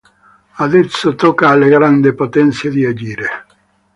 Adesso tocca alle grandi potenze di agire".